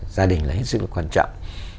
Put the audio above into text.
gia đình là hết sức là quan trọng